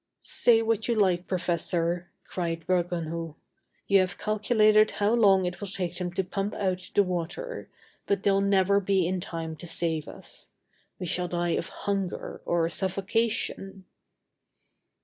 "Say what you like, professor," cried Bergounhoux; "you have calculated how long it will take them to pump out the water, but they'll never be in time to save us. We shall die of hunger or suffocation...."